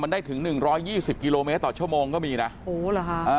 มันได้ถึงหนึ่งร้อยยี่สิบกิโลเมตรต่อชั่วโมงก็มีนะโหเหรอฮะอ่า